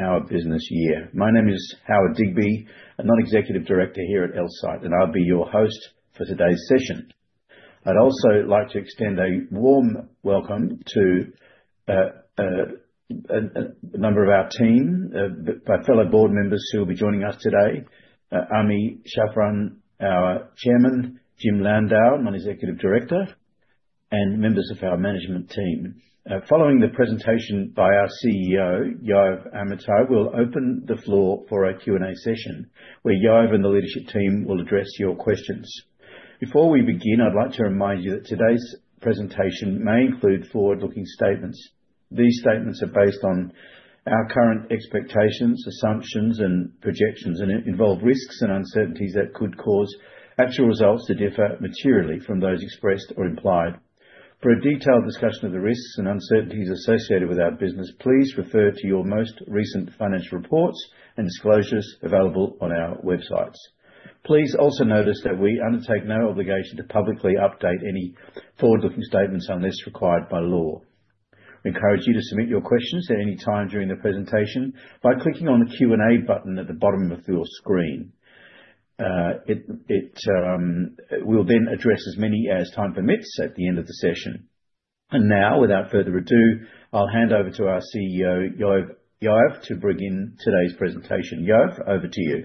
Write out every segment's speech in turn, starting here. In our business year. My name is Howard Digby, a non-executive director here at Elsight, and I'll be your host for today's session. I'd also like to extend a warm welcome to a number of our team, our fellow board members who will be joining us today: Ami Shafran, our Chairman, Jim Landau, Non-executive Director, and members of our management team. Following the presentation by our CEO, Yoav Amitai, we'll open the floor for a Q&A session where Yoav and the leadership team will address your questions. Before we begin, I'd like to remind you that today's presentation may include forward-looking statements. These statements are based on our current expectations, assumptions, and projections, and involve risks and uncertainties that could cause actual results to differ materially from those expressed or implied. For a detailed discussion of the risks and uncertainties associated with our business, please refer to your most recent financial reports and disclosures available on our websites. Please also notice that we undertake no obligation to publicly update any forward-looking statements unless required by law. We encourage you to submit your questions at any time during the presentation by clicking on the Q&A button at the bottom of your screen. We'll then address as many as time permits at the end of the session. And now, without further ado, I'll hand over to our CEO, Yoav, to bring in today's presentation. Yoav, over to you.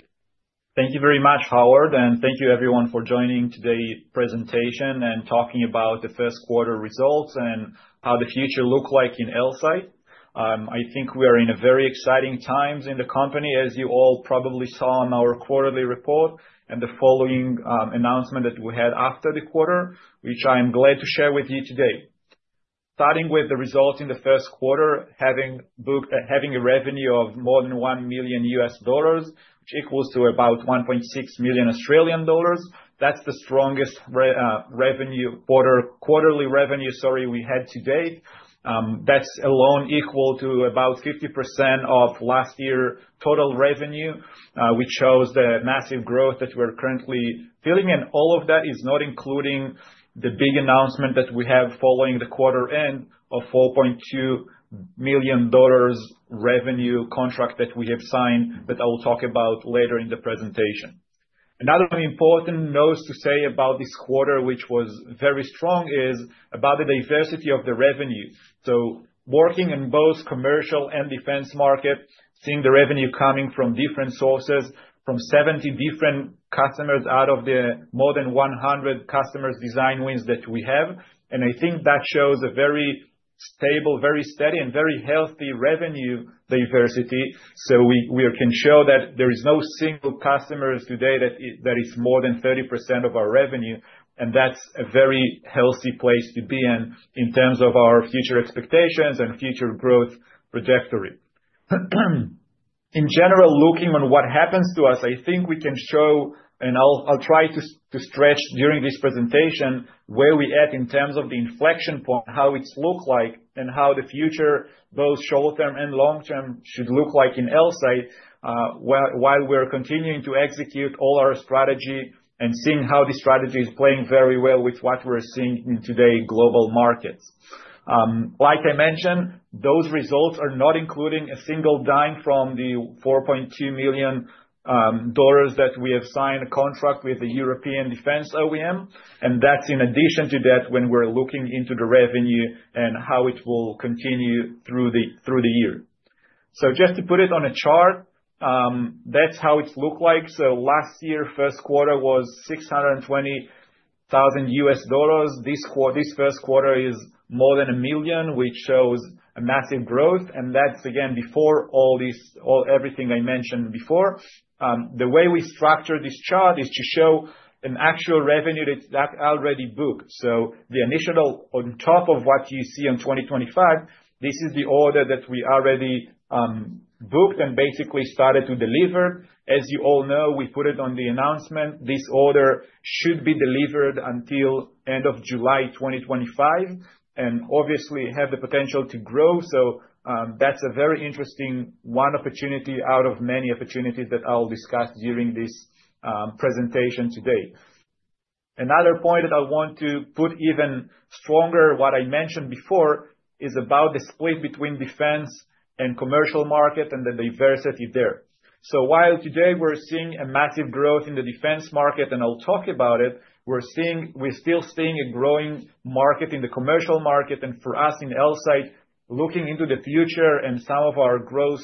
Thank you very much, Howard, and thank you, everyone, for joining today's presentation and talking about the first-quarter results and how the future looks like in Elsight. I think we are in very exciting times in the company, as you all probably saw in our quarterly report and the following announcement that we had after the quarter, which I'm glad to share with you today. Starting with the results in the first quarter, having a revenue of more than $1 million, which equals to about 1.6 million Australian dollars, that's the strongest quarterly revenue we had to date. That's alone equal to about 50% of last year's total revenue, which shows the massive growth that we're currently feeling. All of that is not including the big announcement that we have following the quarter end of $4.2 million revenue contract that we have signed that I will talk about later in the presentation. Another important note to say about this quarter, which was very strong, is about the diversity of the revenue. Working in both the commercial and defense market, seeing the revenue coming from different sources, from 70 different customers out of the more than 100 customers' design wins that we have, and I think that shows a very stable, very steady, and very healthy revenue diversity. We can show that there is no single customer today that is more than 30% of our revenue, and that's a very healthy place to be in in terms of our future expectations and future growth trajectory. In general, looking on what happens to us, I think we can show, and I'll try to stretch during this presentation where we're at in terms of the inflection point, how it looks like, and how the future, both short-term and long-term, should look like in Elsight while we're continuing to execute all our strategy and seeing how the strategy is playing very well with what we're seeing in today's global markets. Like I mentioned, those results are not including a single dime from the $4.2 million that we have signed a contract with the European Defense OEM, and that's in addition to that when we're looking into the revenue and how it will continue through the year. So just to put it on a chart, that's how it looks like. So last year, first quarter was $620,000. This first quarter is more than 1 million, which shows a massive growth, and that's, again, before all everything I mentioned before. The way we structure this chart is to show an actual revenue that's already booked. So the initial, on top of what you see in 2025, this is the order that we already booked and basically started to deliver. As you all know, we put it on the announcement, this order should be delivered until the end of July 2025 and obviously have the potential to grow. So that's a very interesting one opportunity out of many opportunities that I'll discuss during this presentation today. Another point that I want to put even stronger, what I mentioned before, is about the split between defense and commercial market and the diversity there. So while today we're seeing a massive growth in the defense market, and I'll talk about it, we're still seeing a growing market in the commercial market, and for us in Elsight, looking into the future and some of our growth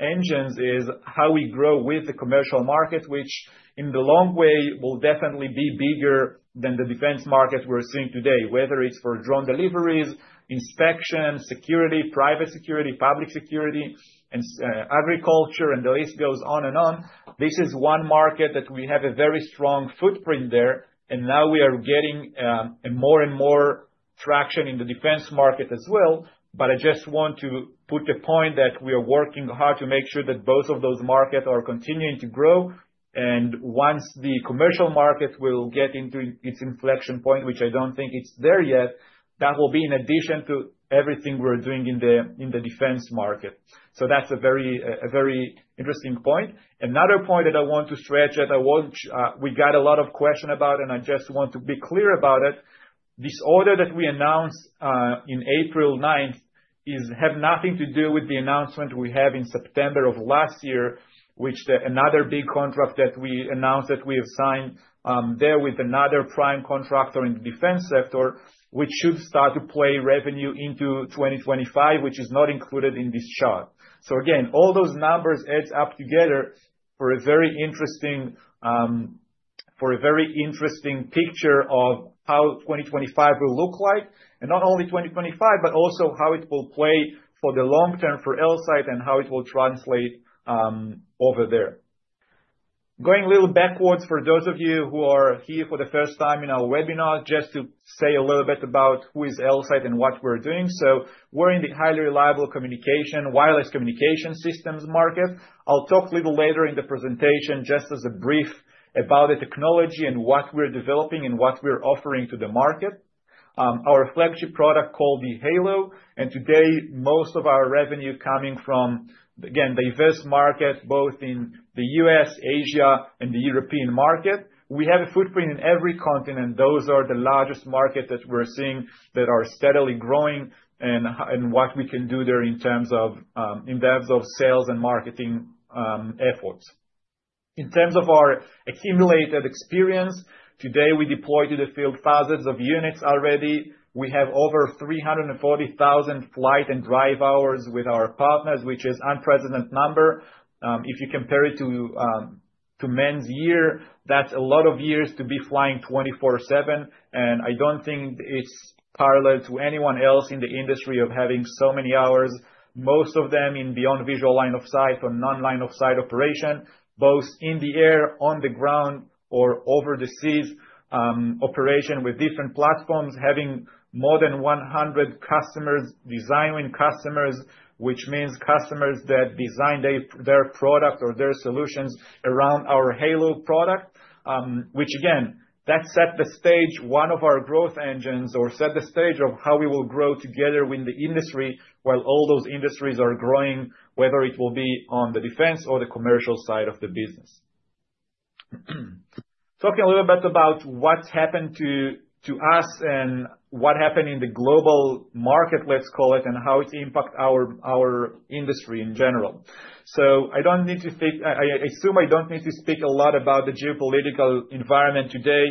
engines is how we grow with the commercial market, which in the long way will definitely be bigger than the defense market we're seeing today, whether it's for drone deliveries, inspection, security, private security, public security, and agriculture, and the list goes on and on. This is one market that we have a very strong footprint there, and now we are getting more and more traction in the defense market as well. But I just want to put the point that we are working hard to make sure that both of those markets are continuing to grow. Once the commercial market will get into its inflection point, which I don't think it's there yet, that will be in addition to everything we're doing in the defense market. So that's a very interesting point. Another point that I want to touch on, we got a lot of questions about, and I just want to be clear about it. This order that we announced on April 9th has nothing to do with the announcement we had in September of last year, which is another big contract that we announced that we have signed there with another prime contractor in the defense sector, which should start to flow revenue into 2025, which is not included in this chart. Again, all those numbers add up together for a very interesting picture of how 2025 will look like, and not only 2025, but also how it will play for the long term for Elsight and how it will translate over there. Going a little backwards for those of you who are here for the first time in our webinar, just to say a little bit about who Elsight is and what we're doing. We're in the highly reliable wireless communication systems market. I'll talk a little later in the presentation just as a brief about the technology and what we're developing and what we're offering to the market. Our flagship product is called the Halo, and today most of our revenue is coming from, again, the US market, both in the US, Asia, and the European market. We have a footprint in every continent. Those are the largest markets that we're seeing that are steadily growing and what we can do there in terms of sales and marketing efforts. In terms of our accumulated experience, today we deployed to the field thousands of units already. We have over 340,000 flight and drive hours with our partners, which is an unprecedented number. If you compare it to man years, that's a lot of years to be flying 24/7, and I don't think it's parallel to anyone else in the industry of having so many hours, most of them in beyond visual line of sight or non-line of sight operation, both in the air, on the ground, or over the seas, operation with different platforms, having more than 100 design customers, which means customers that design their product or their solutions around our Halo product, which, again, that set the stage, one of our growth engines, or set the stage of how we will grow together with the industry while all those industries are growing, whether it will be on the defense or the commercial side of the business. Talking a little bit about what's happened to us and what happened in the global market, let's call it, and how it impacts our industry in general, so I don't need to speak, I assume I don't need to speak a lot about the geopolitical environment today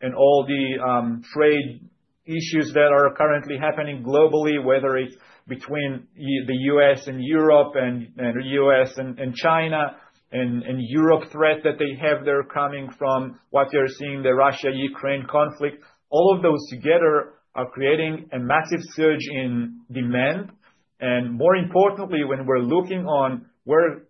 and all the trade issues that are currently happening globally, whether it's between the U.S. and Europe and the U.S. and China and the Europe threat that they have there coming from what you're seeing, the Russia-Ukraine conflict. All of those together are creating a massive surge in demand, and more importantly, when we're looking on where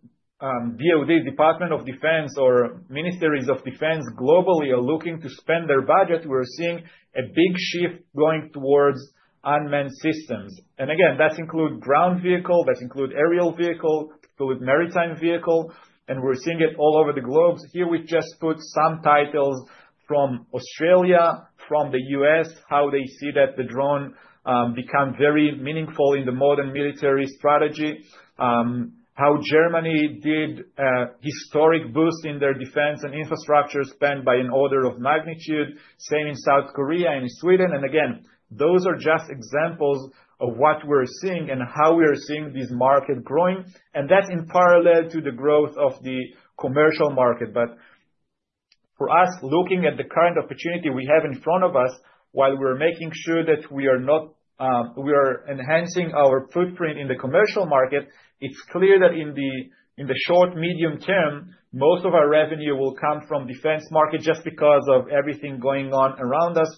the Department of Defense or ministries of defense globally are looking to spend their budget, we're seeing a big shift going towards unmanned systems, and again, that includes ground vehicles, that includes aerial vehicles, includes maritime vehicles, and we're seeing it all over the globe. Here, we just put some titles from Australia, from the U.S., how they see that the drone has become very meaningful in the modern military strategy, how Germany did a historic boost in their defense and infrastructure spend by an order of magnitude, same in South Korea and Sweden. Again, those are just examples of what we're seeing and how we're seeing this market growing, and that's in parallel to the growth of the commercial market. But for us, looking at the current opportunity we have in front of us, while we're making sure that we are enhancing our footprint in the commercial market, it's clear that in the short-medium term, most of our revenue will come from the defense market just because of everything going on around us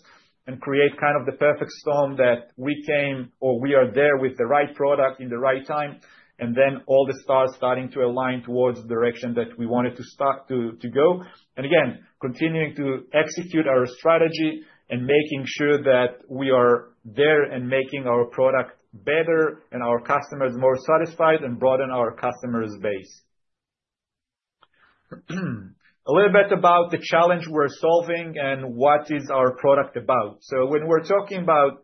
and create kind of the perfect storm that we came or we are there with the right product at the right time, and then all the stars starting to align towards the direction that we wanted to go. And again, continuing to execute our strategy and making sure that we are there and making our product better and our customers more satisfied and broaden our customer base. A little bit about the challenge we're solving and what is our product about. When we're talking about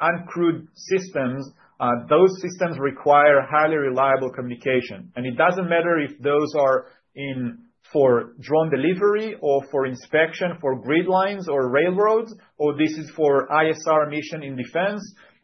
uncrewed systems, those systems require highly reliable communication, and it doesn't matter if those are for drone delivery or for inspection for grid lines or railroads, or this is for ISR mission in defense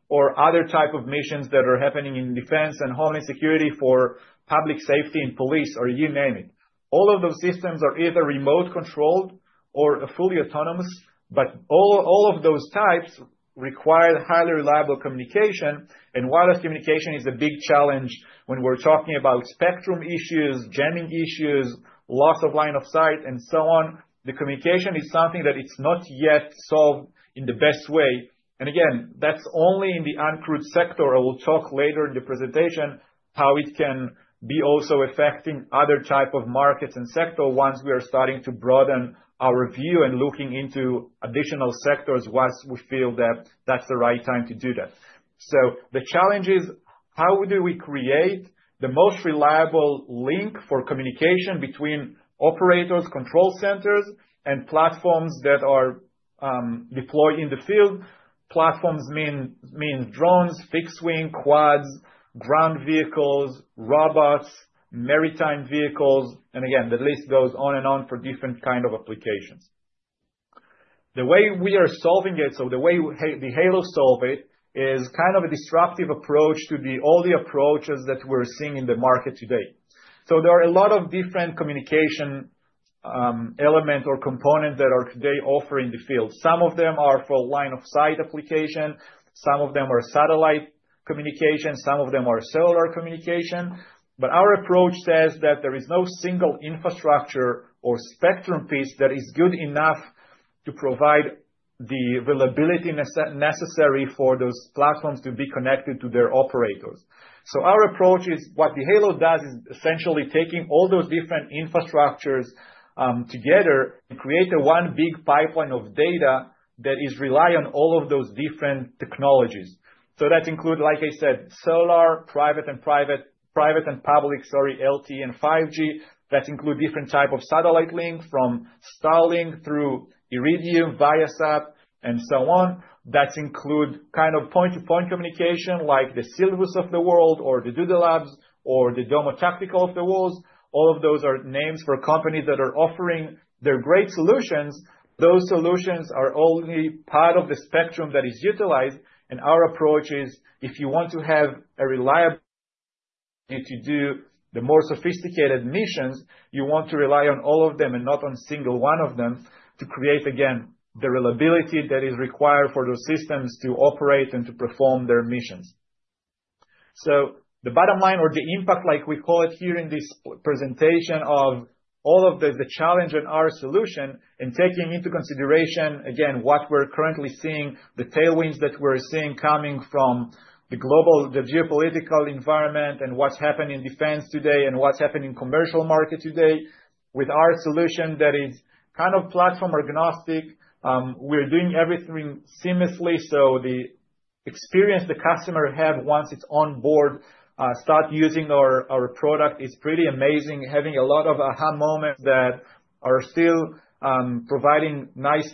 or other types of missions that are happening in defense and homeland security for public safety and police or you name it. All of those systems are either remote-controlled or fully autonomous, but all of those types require highly reliable communication, and wireless communication is a big challenge when we're talking about spectrum issues, jamming issues, loss of line of sight, and so on. The communication is something that is not yet solved in the best way. Again, that's only in the uncrewed sector. I will talk later in the presentation how it can be also affecting other types of markets and sectors once we are starting to broaden our view and look into additional sectors once we feel that that's the right time to do that. So the challenge is, how do we create the most reliable link for communication between operators, control centers, and platforms that are deployed in the field? Platforms mean drones, fixed-wing, quads, ground vehicles, robots, maritime vehicles, and again, the list goes on and on for different kinds of applications. The way we are solving it, so the way the Halo solves it, is kind of a disruptive approach to all the approaches that we're seeing in the market today. So there are a lot of different communication elements or components that are today offered in the field. Some of them are for line-of-sight application, some of them are satellite communication, some of them are cellular communication, but our approach says that there is no single infrastructure or spectrum piece that is good enough to provide the availability necessary for those platforms to be connected to their operators. So our approach is what the Halo does is essentially taking all those different infrastructures together and creating one big pipeline of data that is reliant on all of those different technologies. So that includes, like I said, cellular, private and public, sorry, LTE and 5G. That includes different types of satellite links from Starlink through Iridium, Viasat, and so on. That includes kind of point-to-point communication like the Silvus of the world or the Doodle Labs or the Domo Tactical of the world. All of those are names for companies that are offering their great solutions. Those solutions are only part of the spectrum that is utilized, and our approach is if you want to have a reliability to do the more sophisticated missions, you want to rely on all of them and not on a single one of them to create, again, the reliability that is required for those systems to operate and to perform their missions. So the bottom line or the impact, like we call it here in this presentation, of all of the challenge in our solution and taking into consideration, again, what we're currently seeing, the tailwinds that we're seeing coming from the geopolitical environment and what's happening in defense today and what's happening in the commercial market today with our solution that is kind of platform agnostic. We're doing everything seamlessly, so the experience the customer has once it's on board, start using our product, it's pretty amazing, having a lot of aha moments that are still providing nice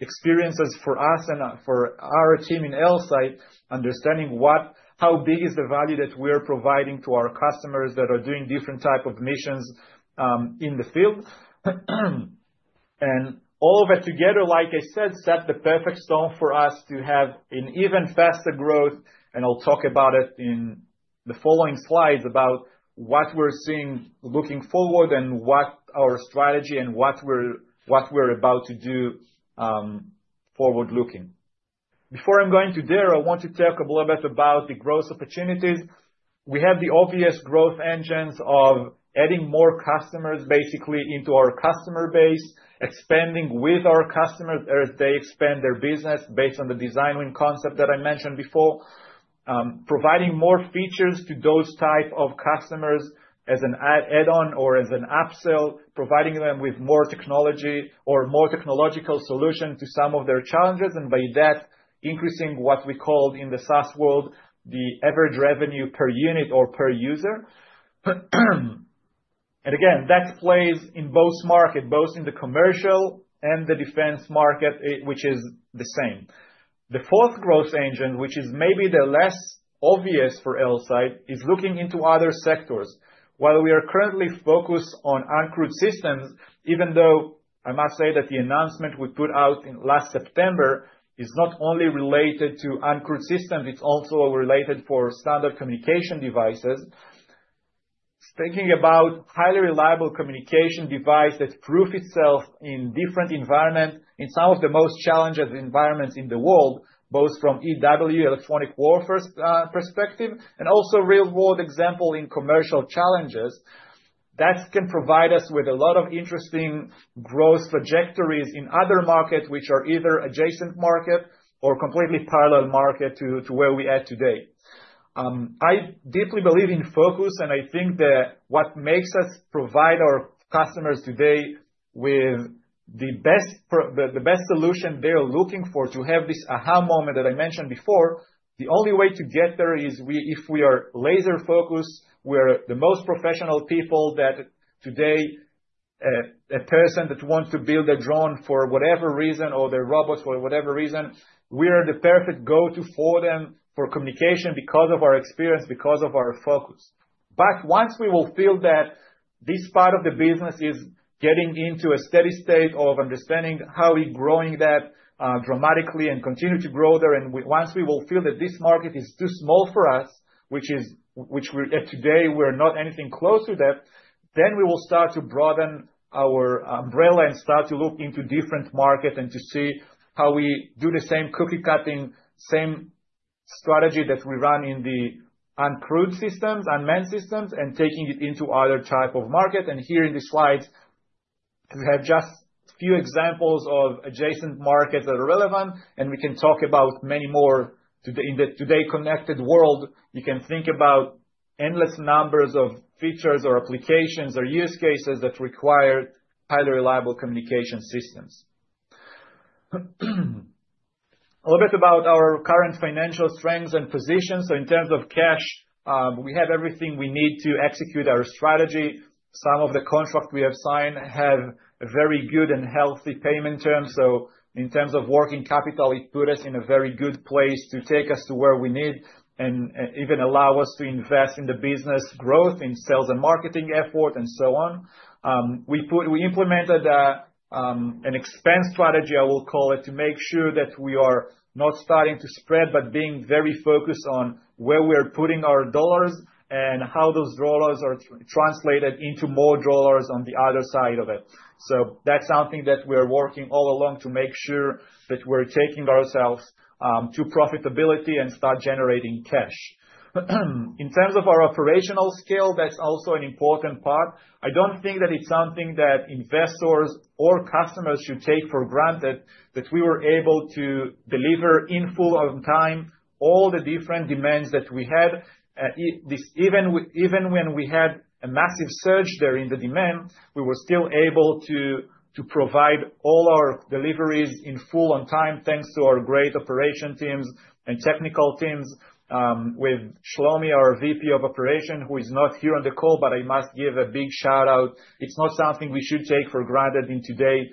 experiences for us and for our team in Elsight, understanding how big is the value that we are providing to our customers that are doing different types of missions in the field. And all of that together, like I said, set the perfect stage for us to have an even faster growth, and I'll talk about it in the following slides about what we're seeing looking forward and what our strategy and what we're about to do forward-looking. Before I'm going to there, I want to talk a little bit about the growth opportunities. We have the obvious growth engines of adding more customers, basically, into our customer base, expanding with our customers as they expand their business based on the design concept that I mentioned before, providing more features to those types of customers as an add-on or as an upsell, providing them with more technology or more technological solutions to some of their challenges, and by that, increasing what we call in the SaaS world the average revenue per unit or per user. And again, that plays in both markets, both in the commercial and the defense market, which is the same. The fourth growth engine, which is maybe the less obvious for Elsight, is looking into other sectors. While we are currently focused on uncrewed systems, even though I must say that the announcement we put out last September is not only related to uncrewed systems, it's also related to standard communication devices. Speaking about a highly reliable communication device that proves itself in different environments, in some of the most challenging environments in the world, both from EW, electronic warfare perspective, and also a real-world example in commercial challenges, that can provide us with a lot of interesting growth trajectories in other markets, which are either adjacent markets or completely parallel markets to where we are today. I deeply believe in focus, and I think that what makes us provide our customers today with the best solution they're looking for to have this aha moment that I mentioned before. The only way to get there is if we are laser-focused. We are the most professional people that, today, a person that wants to build a drone for whatever reason or their robots for whatever reason, we are the perfect go-to for them for communication because of our experience, because of our focus. Once we will feel that this part of the business is getting into a steady state of understanding how we're growing that dramatically and continue to grow there, and once we will feel that this market is too small for us, which today we're not anything close to that, then we will start to broaden our umbrella and start to look into different markets and to see how we do the same cookie-cutter, same strategy that we run in the uncrewed systems, unmanned systems, and taking it into other types of markets. Here in the slides, we have just a few examples of adjacent markets that are relevant, and we can talk about many more in today's connected world. You can think about endless numbers of features or applications or use cases that require highly reliable communication systems. A little bit about our current financial strengths and positions. So in terms of cash, we have everything we need to execute our strategy. Some of the contracts we have signed have very good and healthy payment terms. So in terms of working capital, it put us in a very good place to take us to where we need and even allow us to invest in the business growth, in sales and marketing effort, and so on. We implemented an expense strategy, I will call it, to make sure that we are not starting to spread but being very focused on where we are putting our dollars and how those dollars are translated into more dollars on the other side of it. So that's something that we are working all along to make sure that we're taking ourselves to profitability and start generating cash. In terms of our operational scale, that's also an important part. I don't think that it's something that investors or customers should take for granted that we were able to deliver in full on time all the different demands that we had. Even when we had a massive surge there in the demand, we were still able to provide all our deliveries in full on time thanks to our great operation teams and technical teams with Shlomi, our VP of Operations, who is not here on the call, but I must give a big shout-out. It's not something we should take for granted in today's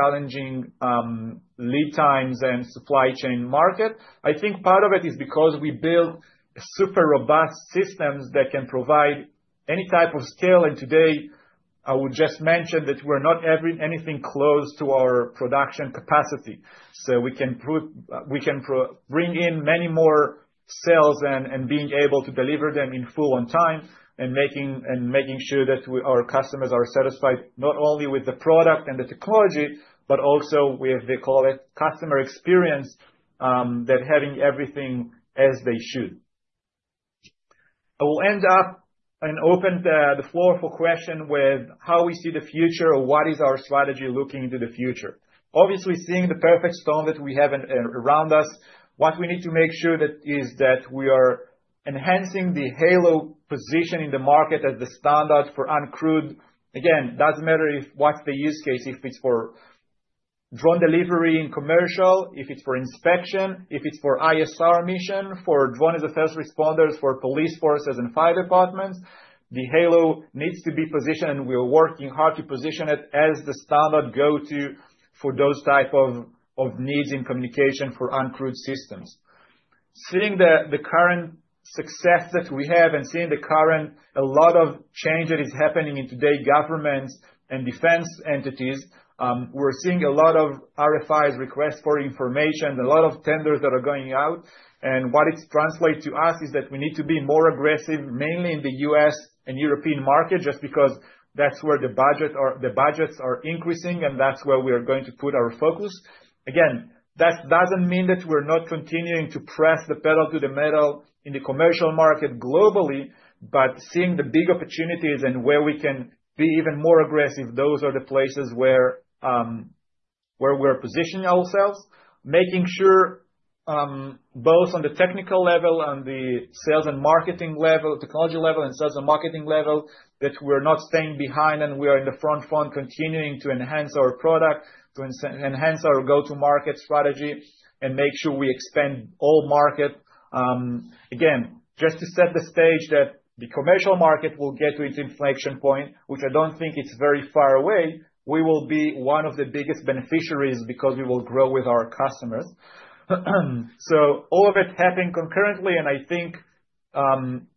challenging lead times and supply chain market. I think part of it is because we built super robust systems that can provide any type of scale, and today, I would just mention that we're not anything close to our production capacity. So we can bring in many more sales and being able to deliver them in full on time and making sure that our customers are satisfied not only with the product and the technology, but also with, they call it, customer experience that having everything as they should. I will end up and open the floor for questions with how we see the future or what is our strategy looking into the future. Obviously, seeing the perfect storm that we have around us, what we need to make sure is that we are enhancing the Halo position in the market as the standard for uncrewed. Again, it doesn't matter what's the use case, if it's for drone delivery in commercial, if it's for inspection, if it's for ISR mission, for drones as first responders, for police forces and fire departments. The Halo needs to be positioned, and we are working hard to position it as the standard go-to for those types of needs in communication for uncrewed systems. Seeing the current success that we have and seeing the current a lot of change that is happening in today's governments and defense entities, we're seeing a lot of RFIs, requests for information, a lot of tenders that are going out, and what it's translated to us is that we need to be more aggressive, mainly in the U.S. and European market, just because that's where the budgets are increasing, and that's where we are going to put our focus. Again, that doesn't mean that we're not continuing to press the pedal to the metal in the commercial market globally, but seeing the big opportunities and where we can be even more aggressive, those are the places where we're positioning ourselves, making sure both on the technical level, on the sales and marketing level, technology level, and sales and marketing level, that we're not staying behind and we are in the front continuing to enhance our product, to enhance our go-to-market strategy, and make sure we expand all market. Again, just to set the stage that the commercial market will get to its inflection point, which I don't think it's very far away, we will be one of the biggest beneficiaries because we will grow with our customers. So all of it happening concurrently, and I think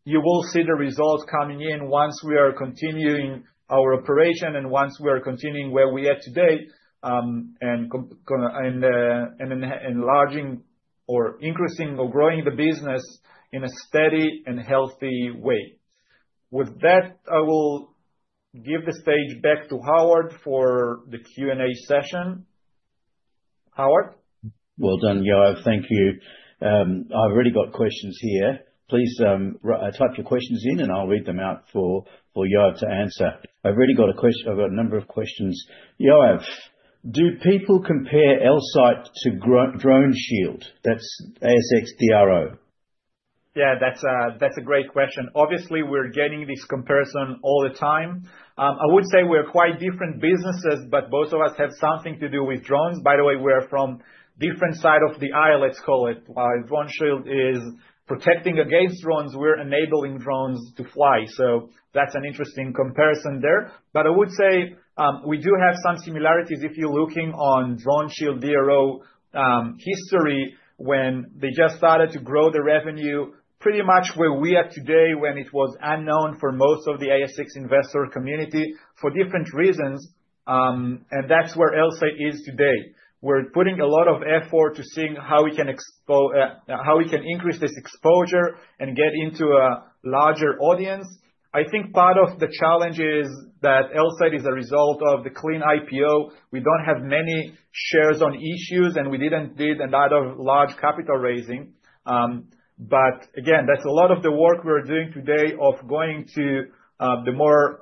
you will see the results coming in once we are continuing our operation and once we are continuing where we are today and enlarging or increasing or growing the business in a steady and healthy way. With that, I will give the stage back to Howard for the Q&A session. Howard? Well done, Yoav. Thank you. I've already got questions here. Please type your questions in, and I'll read them out for Yoav to answer. I've already got a question. I've got a number of questions. Yoav, do people compare Elsight to DroneShield? That's ASX DRO. Yeah, that's a great question. Obviously, we're getting this comparison all the time. I would say we're quite different businesses, but both of us have something to do with drones. By the way, we are from different sides of the aisle, let's call it. DroneShield is protecting against drones. We're enabling drones to fly, so that's an interesting comparison there. But I would say we do have some similarities if you're looking on DroneShield DRO history when they just started to grow the revenue pretty much where we are today when it was unknown for most of the ASX investor community for different reasons, and that's where Elsight is today. We're putting a lot of effort to seeing how we can increase this exposure and get into a larger audience. I think part of the challenge is that Elsight is a result of the clean IPO. We don't have many shares on issue, and we didn't do a lot of large capital raising, but again, that's a lot of the work we're doing today of going to the more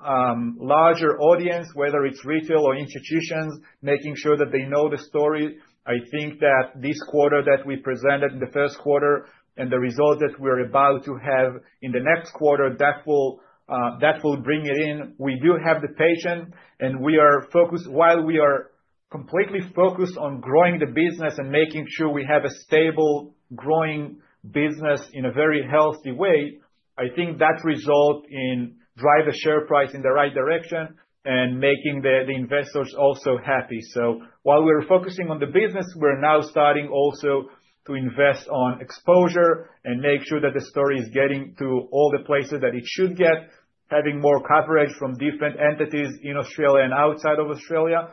larger audience, whether it's retail or institutions, making sure that they know the story. I think that this quarter that we presented in the first quarter and the result that we're about to have in the next quarter, that will bring it in. We do have the patience, and we are focused. While we are completely focused on growing the business and making sure we have a stable growing business in a very healthy way, I think that result in driving the share price in the right direction and making the investors also happy. So while we're focusing on the business, we're now starting also to invest on exposure and make sure that the story is getting to all the places that it should get, having more coverage from different entities in Australia and outside of Australia,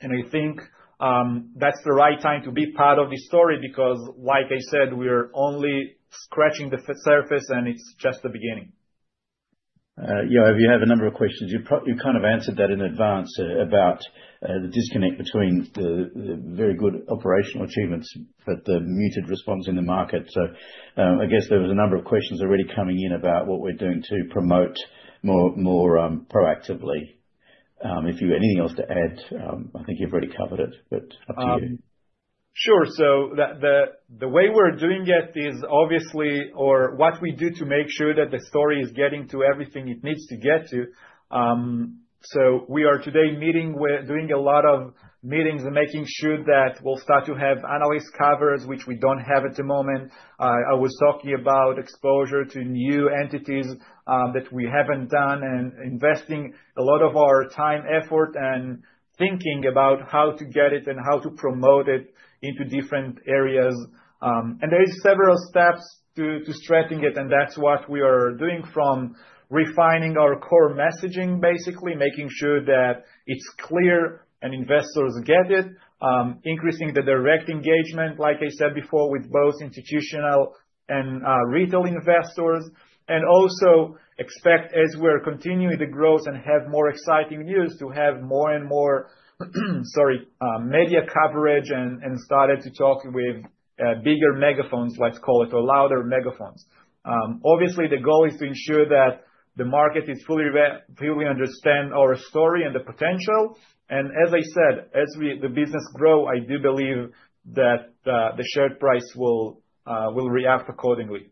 and I think that's the right time to be part of the story because, like I said, we're only scratching the surface, and it's just the beginning. Yoav, you have a number of questions. You kind of answered that in advance about the disconnect between the very good operational achievements but the muted response in the market, so I guess there was a number of questions already coming in about what we're doing to promote more proactively. If you have anything else to add, I think you've already covered it, but up to you. Sure, so the way we're doing it is obviously, or what we do to make sure that the story is getting to everything it needs to get to, so we are today meeting, doing a lot of meetings and making sure that we'll start to have analyst coverage, which we don't have at the moment. I was talking about exposure to new entities that we haven't done and investing a lot of our time, effort, and thinking about how to get it and how to promote it into different areas, and there are several steps to strengthening it, and that's what we are doing from refining our core messaging, basically making sure that it's clear and investors get it, increasing the direct engagement, like I said before, with both institutional and retail investors, and also expect, as we're continuing the growth and have more exciting news, to have more and more, sorry, media coverage and started to talk with bigger megaphones, let's call it, or louder megaphones. Obviously, the goal is to ensure that the market is fully understanding our story and the potential, and as I said, as the business grows, I do believe that the share price will react accordingly.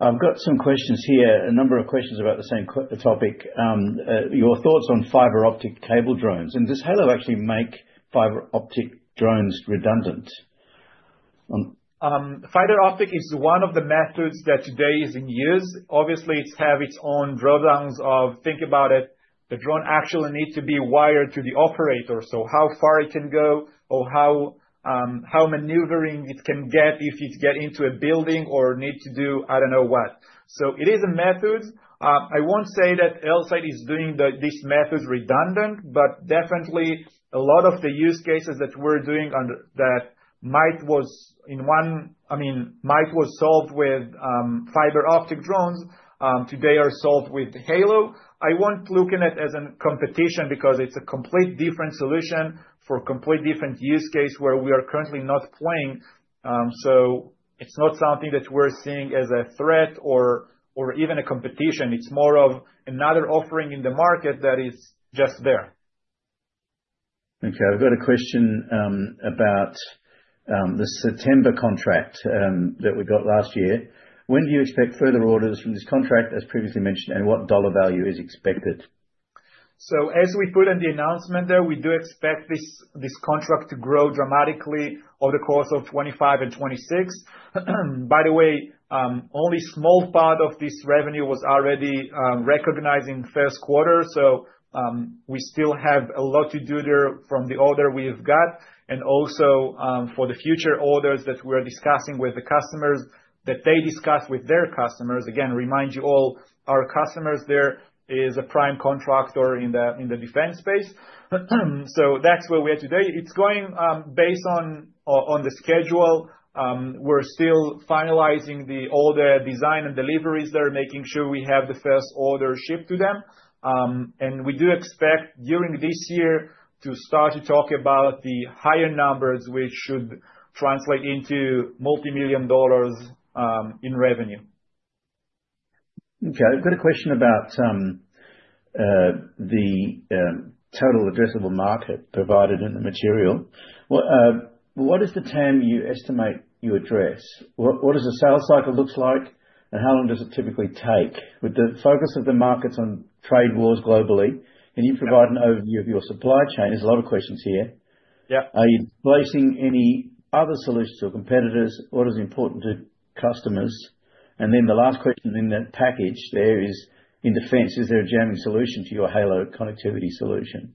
I've got some questions here, a number of questions about the same topic. Your thoughts on fiber optic cable drones, and does Halo actually make fiber optic drones redundant? Fiber optic is one of the methods that today is in use. Obviously, it has its own drawbacks. Think about it. The drone actually needs to be wired to the operator, so how far it can go or how maneuverable it can get if it gets into a building or needs to do, I don't know what. So it is a method. I won't say that Elsight is making these methods redundant, but definitely a lot of the use cases that might have been one, I mean, might have been solved with fiber optic drones today are solved with Halo. I won't look at it as a competition because it's a completely different solution for a completely different use case where we are currently not playing. So it's not something that we're seeing as a threat or even a competition. It's more of another offering in the market that is just there. Okay. I've got a question about the September contract that we got last year. When do you expect further orders from this contract, as previously mentioned, and what dollar value is expected? So as we put in the announcement there, we do expect this contract to grow dramatically over the course of 2025 and 2026. By the way, only a small part of this revenue was already recognized in the first quarter. So we still have a lot to do there from the order we've got. And also for the future orders that we're discussing with the customers, that they discuss with their customers. Again, remind you all, our customers there is a prime contractor in the defense space. So that's where we are today. It's going based on the schedule. We're still finalizing all the design and deliveries there, making sure we have the first order shipped to them. And we do expect during this year to start to talk about the higher numbers, which should translate into multi-million dollars in revenue. Okay. I've got a question about the total addressable market provided in the material. What is the term you estimate you address? What does a sales cycle look like, and how long does it typically take? With the focus of the markets on trade wars globally, can you provide an overview of your supply chain? There's a lot of questions here. Are you placing any other solutions or competitors? What is important to customers? And then the last question in that package there is in defense, is there a jamming solution to your Halo connectivity solution?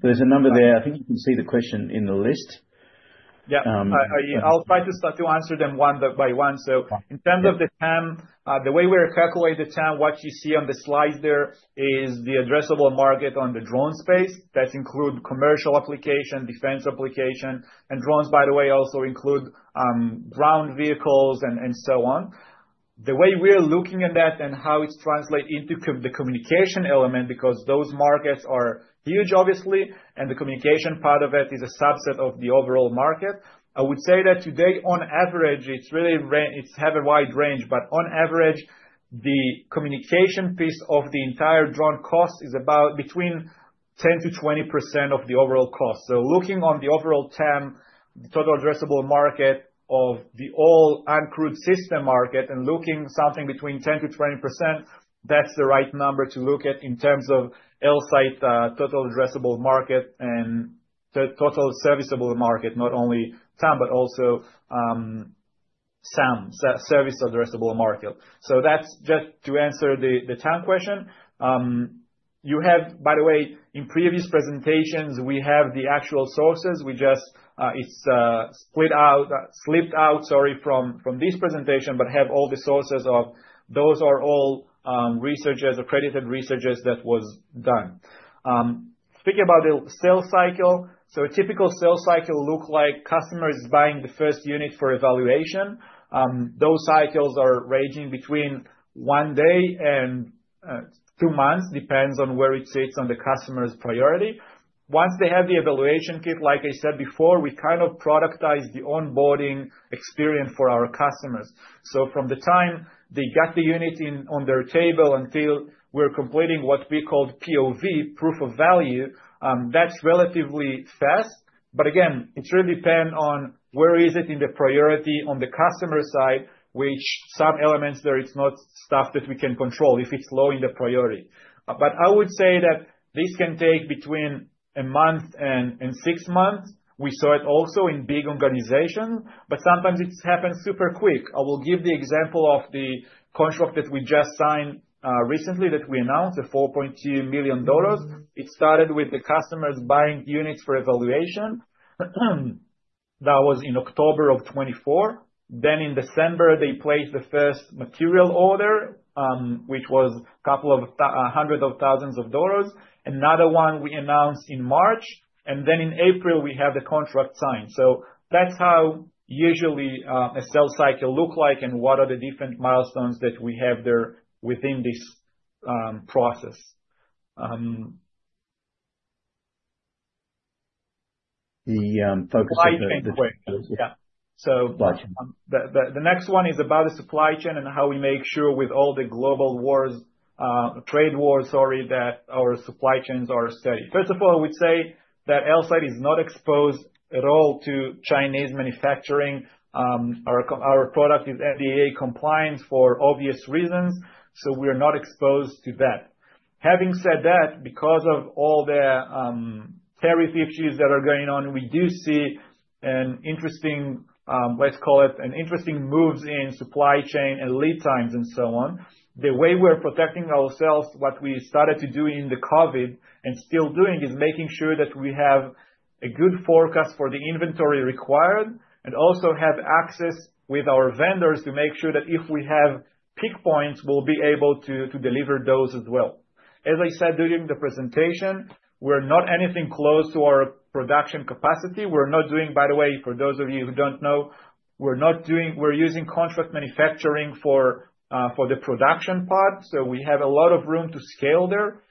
There's a number there. I think you can see the question in the list. Yeah. I'll try to start to answer them one by one. So in terms of the TAM, the way we're calculating the TAM, what you see on the slide there is the addressable market in the drone space. That includes commercial application, defense application, and drones, by the way, also include ground vehicles and so on. The way we're looking at that and how it's translated into the communication element, because those markets are huge, obviously, and the communication part of it is a subset of the overall market. I would say that today, on average, it's really have a wide range, but on average, the communication piece of the entire drone cost is about between 10%-20% of the overall cost. So looking on the overall TAM, the total addressable market of the all uncrewed system market and looking something between 10%-20%, that's the right number to look at in terms of Elsight total addressable market and total serviceable market, not only TAM, but also SAM, Serviceable Addressable Market. So that's just to answer the TAM question. You have, by the way, in previous presentations, we have the actual sources. We just it's split out, slipped out, sorry, from this presentation, but have all the sources of those are all researchers or credited researchers that was done. Speaking about the sales cycle, so a typical sales cycle looks like customers buying the first unit for evaluation. Those cycles are ranging between one day and two months, depends on where it sits on the customer's priority. Once they have the evaluation kit, like I said before, we kind of productize the onboarding experience for our customers. So from the time they got the unit on their table until we're completing what we called POV, proof of value, that's relatively fast. But again, it really depends on where is it in the priority on the customer side, which some elements there, it's not stuff that we can control if it's low in the priority. But I would say that this can take between a month and six months. We saw it also in big organizations, but sometimes it happens super quick. I will give the example of the contract that we just signed recently that we announced, the $4.2 million. It started with the customers buying units for evaluation. That was in October of 2024. Then in December, they placed the first material order, which was a couple of hundreds of thousands of dollars. Another one we announced in March. And then in April, we have the contract signed. So that's how usually a sales cycle looks like and what are the different milestones that we have there within this process. The focus of the question. Yeah. So the next one is about the supply chain and how we make sure with all the global wars, trade wars, sorry, that our supply chains are steady. First of all, I would say that Elsight is not exposed at all to Chinese manufacturing. Our product is FDA compliant for obvious reasons, so we're not exposed to that. Having said that, because of all the tariff issues that are going on, we do see an interesting, let's call it an interesting move in supply chain and lead times and so on. The way we're protecting ourselves, what we started to do in the COVID and still doing, is making sure that we have a good forecast for the inventory required and also have access with our vendors to make sure that if we have peak points, we'll be able to deliver those as well. As I said during the presentation, we're not anything close to our production capacity. We're not doing, by the way, for those of you who don't know, we're using contract manufacturing for the production part. So we have a lot of room to scale there.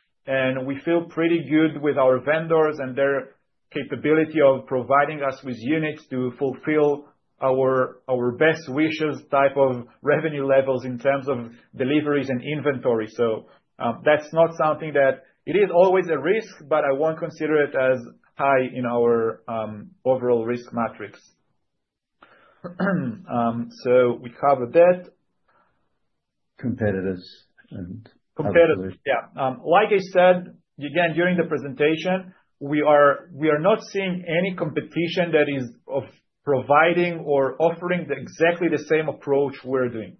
We feel pretty good with our vendors and their capability of providing us with units to fulfill our best wishes type of revenue levels in terms of deliveries and inventory. That's not something that it is always a risk, but I won't consider it as high in our overall risk matrix. We covered that. Competitors. Competitors, yeah. Like I said, again, during the presentation, we are not seeing any competition that is of providing or offering exactly the same approach we're doing.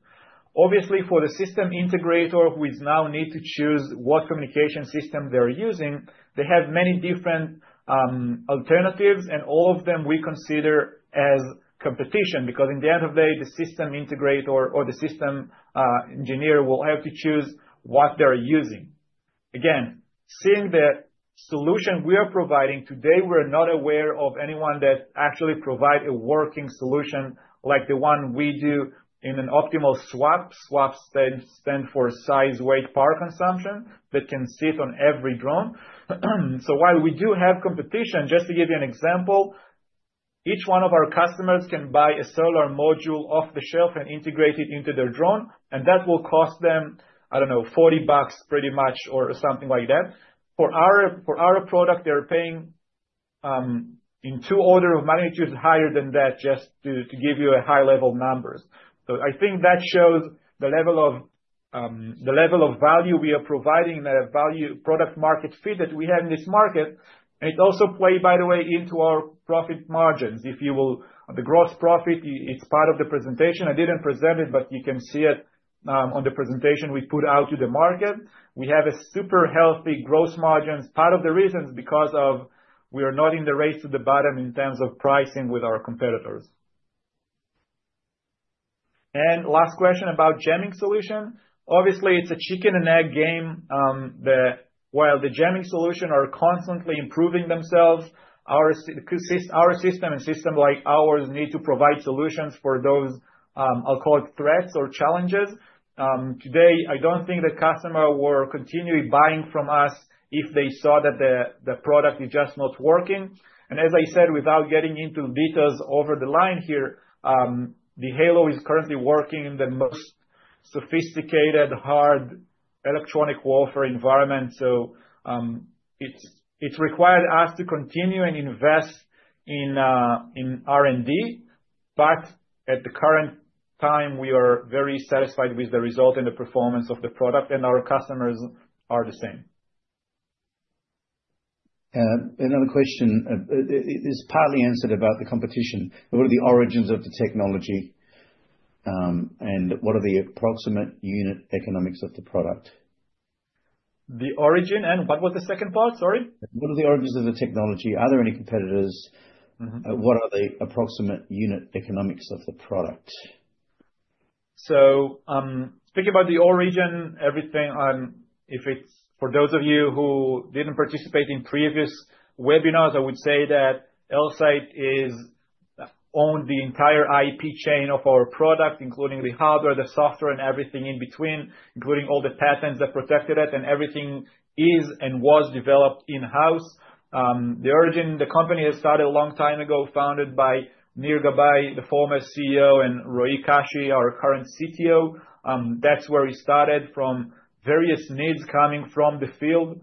Obviously, for the system integrator who now needs to choose what communication system they're using, they have many different alternatives, and all of them we consider as competition because in the end of the day, the system integrator or the system engineer will have to choose what they're using. Again, seeing the solution we are providing today, we're not aware of anyone that actually provides a working solution like the one we do in an optimal SWaP. SWaP stands for size, weight, power consumption that can sit on every drone. So while we do have competition, just to give you an example, each one of our customers can buy a solar module off the shelf and integrate it into their drone, and that will cost them, I don't know, $40 pretty much or something like that. For our product, they're paying in two orders of magnitude higher than that just to give you a high-level numbers. So I think that shows the level of value we are providing and the product-market fit that we have in this market. And it also plays, by the way, into our profit margins. If you will, the gross profit, it's part of the presentation. I didn't present it, but you can see it on the presentation we put out to the market. We have a super healthy gross margins. Part of the reason is because we are not in the race to the bottom in terms of pricing with our competitors. And last question about jamming solution. Obviously, it's a chicken-and-egg game. While the jamming solutions are constantly improving themselves, our system and system like ours need to provide solutions for those, I'll call it, threats or challenges. Today, I don't think the customer will continue buying from us if they saw that the product is just not working. And as I said, without getting into details over the line here, the Halo is currently working in the most sophisticated, hard electronic warfare environment. So it's required us to continue and invest in R&D. But at the current time, we are very satisfied with the result and the performance of the product, and our customers are the same. Another question is partly answered about the competition. What are the origins of the technology, and what are the approximate unit economics of the product? The origin and what was the second part? Sorry. What are the origins of the technology? Are there any competitors? What are the approximate unit economics of the product? So speaking about the origin, everything, if it's for those of you who didn't participate in previous webinars, I would say that Elsight owns the entire IP chain of our product, including the hardware, the software, and everything in between, including all the patents that protected it, and everything is and was developed in-house. The origin, the company has started a long time ago, founded by Nir Gabay, the former CEO, and Roee Kashi, our current CTO. That's where we started from various needs coming from the field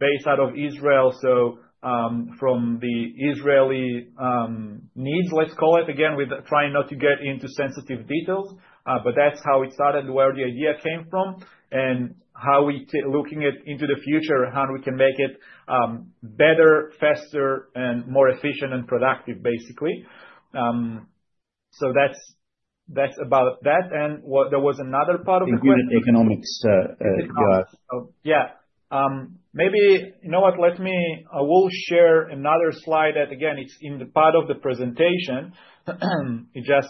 based out of Israel, so from the Israeli needs, let's call it, again, with trying not to get into sensitive details, but that's how it started, where the idea came from, and how we look at it into the future, how we can make it better, faster, and more efficient and productive, basically, so that's about that and there was another part of the question, the unit economics. Yeah. Maybe, you know what, let me, I will share another slide that, again, it's in the part of the presentation. It just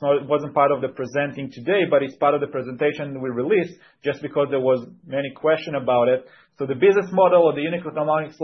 wasn't part of the presenting today, but it's part of the presentation we released just because there were many questions about it. The business model or the unit economics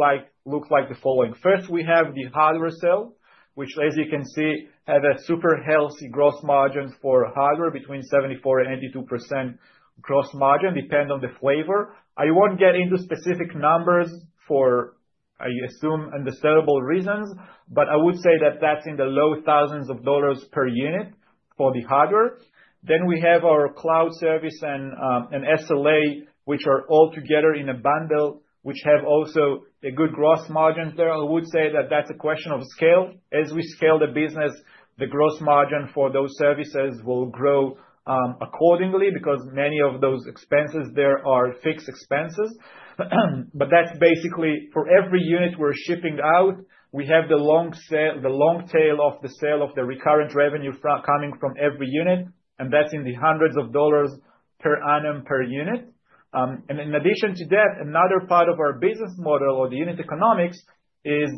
looks like the following. First, we have the hardware sale, which, as you can see, has a super healthy gross margin for hardware between 74% and 82% gross margin, depending on the flavor. I won't get into specific numbers for, I assume, understandable reasons, but I would say that that's in the low thousands of dollars per unit for the hardware. Then we have our cloud service and SLA, which are all together in a bundle, which have also a good gross margin there. I would say that that's a question of scale. As we scale the business, the gross margin for those services will grow accordingly because many of those expenses there are fixed expenses. But that's basically for every unit we're shipping out, we have the long tail of the sale of the recurrent revenue coming from every unit, and that's in the hundreds of dollars per annum per unit. And in addition to that, another part of our business model or the unit economics is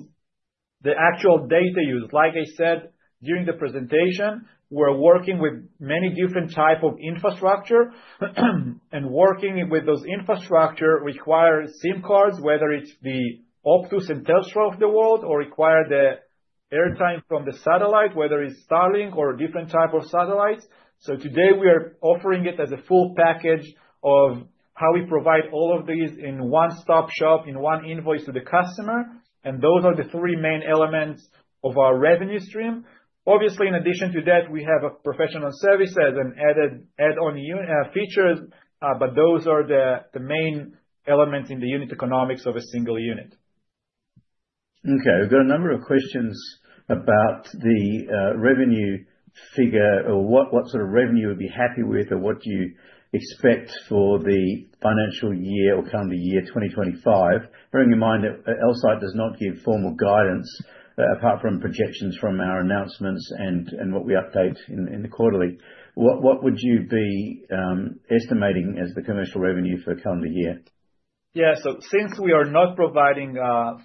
the actual data use. Like I said during the presentation, we're working with many different types of infrastructure, and working with those infrastructures requires SIM cards, whether it's the Optus and Telstra of the world, or require the airtime from the satellite, whether it's Starlink or different types of satellites. So today, we are offering it as a full package of how we provide all of these in one-stop shop, in one invoice to the customer. And those are the three main elements of our revenue stream. Obviously, in addition to that, we have professional services and add-on features, but those are the main elements in the unit economics of a single unit. Okay. We've got a number of questions about the revenue figure or what sort of revenue you would be happy with or what do you expect for the financial year or calendar year 2025. Bearing in mind that Elsight does not give formal guidance apart from projections from our announcements and what we update in the quarterly, what would you be estimating as the commercial revenue for calendar year? Yeah. So since we are not providing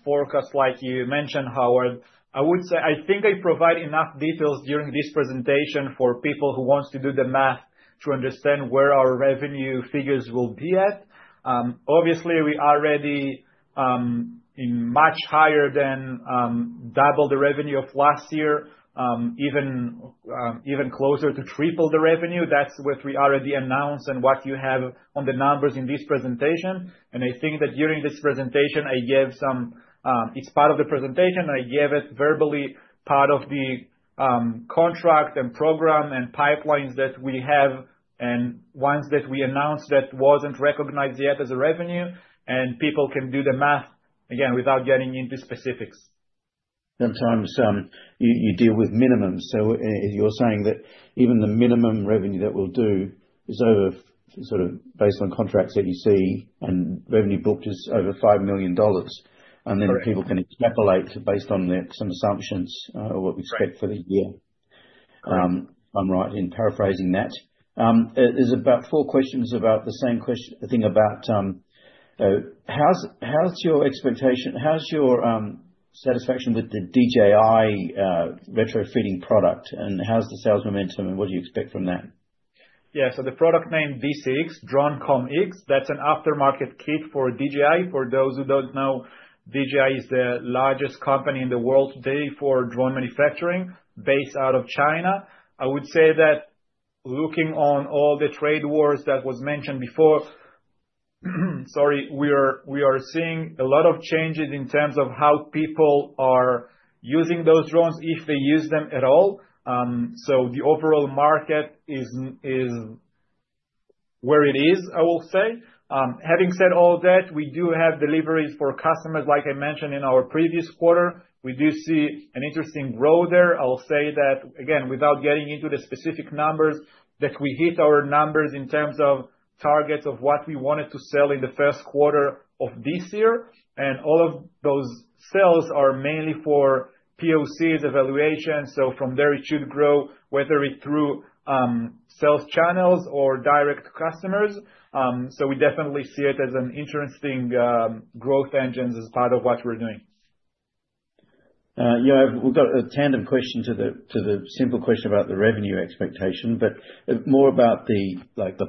forecasts like you mentioned, Howard, I would say I think I provide enough details during this presentation for people who want to do the math to understand where our revenue figures will be at. Obviously, we are already in much higher than double the revenue of last year, even closer to triple the revenue. That's what we already announced and what you have on the numbers in this presentation, and I think that during this presentation, I gave some it's part of the presentation. I gave it verbally part of the contract and program and pipelines that we have and ones that we announced that weren't recognized yet as a revenue, and people can do the math, again, without getting into specifics. Sometimes you deal with minimums, so you're saying that even the minimum revenue that we'll do is over sort of based on contracts that you see and revenue booked is over $5 million, and then people can extrapolate based on some assumptions or what we expect for the year. I'm right in paraphrasing that are about four questions about the same thing about how's your expectation? How's your satisfaction with the DJI retrofitting product? And how's the sales momentum? And what do you expect from that? Yeah. So the product name D6, DroneCommX, that's an aftermarket kit for DJI. For those who don't know, DJI is the largest company in the world today for drone manufacturing based out of China. I would say that looking on all the trade wars that were mentioned before, sorry, we are seeing a lot of changes in terms of how people are using those drones, if they use them at all. So the overall market is where it is, I will say. Having said all that, we do have deliveries for customers, like I mentioned in our previous quarter. We do see an interesting growth there. I'll say that, again, without getting into the specific numbers, that we hit our numbers in terms of targets of what we wanted to sell in the first quarter of this year, and all of those sales are mainly for POCs, evaluations, so from there, it should grow, whether it's through sales channels or direct customers, so we definitely see it as an interesting growth engine as part of what we're doing. We've got a tandem question to the simple question about the revenue expectation, but more about the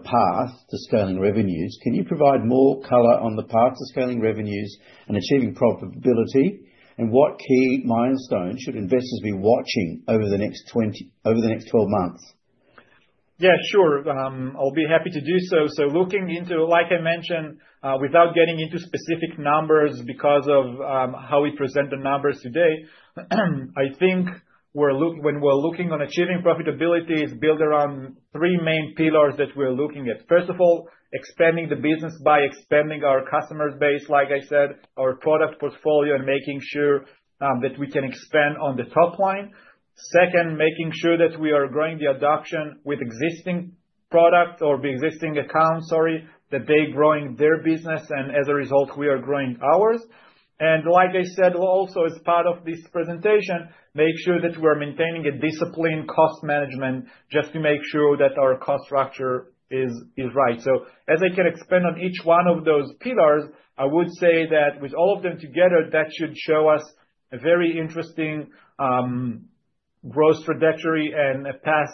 path to scaling revenues. Can you provide more color on the path to scaling revenues and achieving profitability, and what key milestones should investors be watching over the next 12 months? Yeah, sure. I'll be happy to do so. So, looking into, like I mentioned, without getting into specific numbers because of how we present the numbers today, I think when we're looking on achieving profitability, it's built around three main pillars that we're looking at. First of all, expanding the business by expanding our customer base, like I said, our product portfolio, and making sure that we can expand on the top line. Second, making sure that we are growing the adoption with existing product or the existing account, sorry, that they're growing their business, and as a result, we are growing ours. Like I said, also as part of this presentation, make sure that we're maintaining a disciplined cost management just to make sure that our cost structure is right. So as I can expand on each one of those pillars, I would say that with all of them together, that should show us a very interesting growth trajectory and a path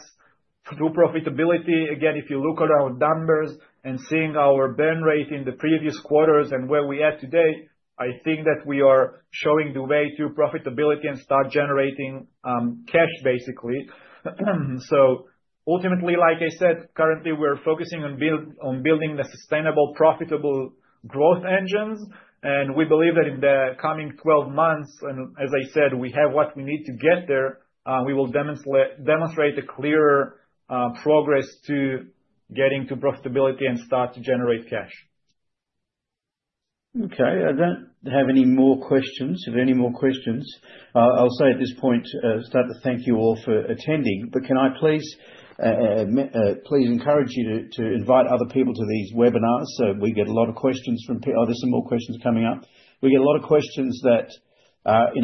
to profitability. Again, if you look at our numbers and seeing our burn rate in the previous quarters and where we are today, I think that we are showing the way to profitability and start generating cash, basically. So ultimately, like I said, currently, we're focusing on building the sustainable, profitable growth engines. And we believe that in the coming 12 months, and as I said, we have what we need to get there, we will demonstrate a clearer progress to getting to profitability and start to generate cash. Okay. I don't have any more questions. If any more questions, I'll say at this point, start to thank you all for attending. But can I please encourage you to invite other people to these webinars? So we get a lot of questions from people. Oh, there's some more questions coming up. We get a lot of questions that are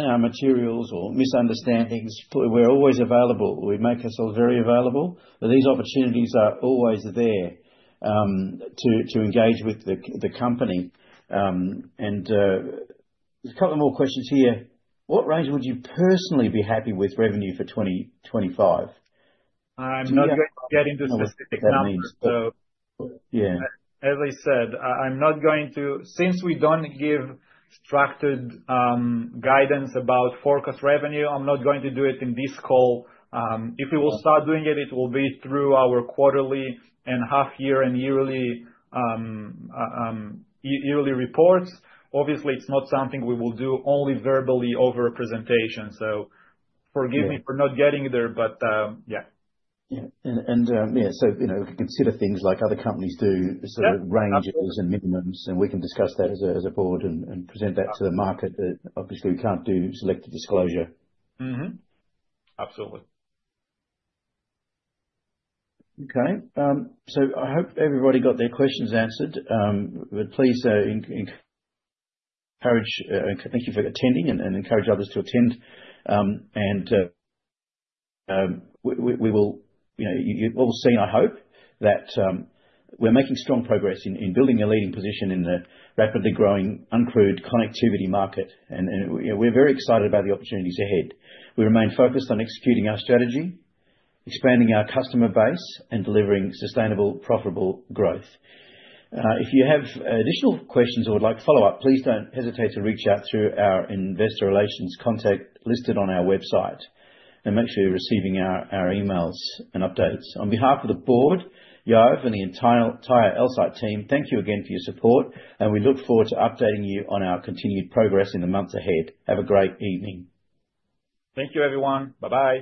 in our materials or misunderstandings. We're always available. We make ourselves very available. These opportunities are always there to engage with the company. And a couple more questions here. What range would you personally be happy with revenue for 2025? I'm not going to get into specific numbers. So as I said, I'm not going to, since we don't give structured guidance about forecast revenue, I'm not going to do it in this call. If we will start doing it, it will be through our quarterly and half-year and yearly reports. Obviously, it's not something we will do only verbally over a presentation. So forgive me for not getting there, but yeah. Yeah. Yeah, so we can consider things like other companies do, sort of ranges and minimums, and we can discuss that as a board and present that to the market. Obviously, we can't do selective disclosure. Absolutely. Okay. So I hope everybody got their questions answered. But please encourage, thank you for attending, and encourage others to attend. And we will see, I hope, that we're making strong progress in building a leading position in the rapidly growing uncrewed connectivity market. And we're very excited about the opportunities ahead. We remain focused on executing our strategy, expanding our customer base, and delivering sustainable, profitable growth. If you have additional questions or would like follow-up, please don't hesitate to reach out through our investor relations contact listed on our website. And make sure you're receiving our emails and updates. On behalf of the board, Yoav, and the entire Elsight team, thank you again for your support. And we look forward to updating you on our continued progress in the months ahead. Have a great evening. Thank you, everyone. Bye-bye.